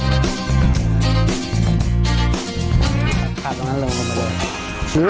ขาดตรงนั้นลงกลับมาเลย